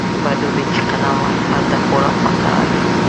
په دوبي کې قدم وهل هلته خورا خوندور وي